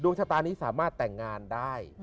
ชะตานี้สามารถแต่งงานได้